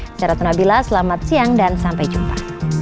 saya ratna bila selamat siang dan sampai jumpa